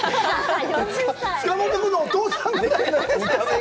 塚本君のお父さんみたいな。